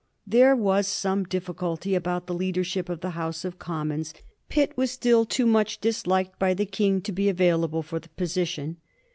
There was some difficulty about the leadership of the House of Commons. Pitt was still too much dis liked by the King to be available for the position.